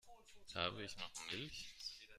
Habe ich noch Milch?